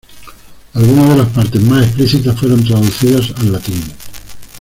Algunas de las partes más explícitas fueron traducidas al latín.